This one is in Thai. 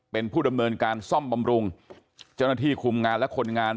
เป็นผู้ดำเนินการซ่อมบำรุงเจ้าหน้าที่คุมงานและคนงาน